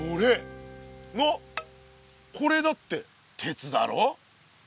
なっこれだって鉄だろ。